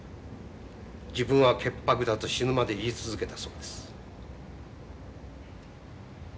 「自分は潔白だ」と死ぬまで言い続けたそうです。